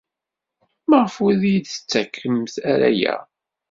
Maɣef ur iyi-d-tettakfemt ara aya?